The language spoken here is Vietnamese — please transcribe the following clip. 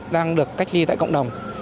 đang được cách ly tại cộng đồng